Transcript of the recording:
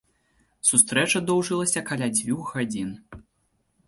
Сустрэча доўжылася каля дзвюх гадзін.